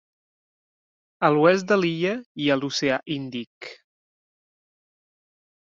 A l'oest de l'illa hi ha l'oceà Índic.